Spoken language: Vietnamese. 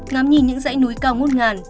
ngắm nhìn những dãy núi cao ngút ngàn